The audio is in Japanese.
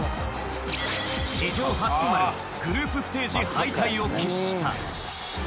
史上初となるグループステージ敗退を喫した。